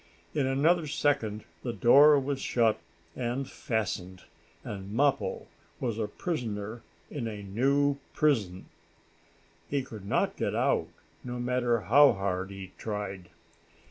In another second the door was shut and fastened, and Mappo was a prisoner in a new prison. He could not get out, no matter how hard he tried.